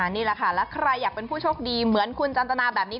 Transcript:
นี่แหละค่ะแล้วใครอยากเป็นผู้โชคดีเหมือนคุณจันตนาแบบนี้